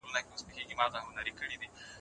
آیا پاخه سړکونه تر خامه سړکونو پاک دي؟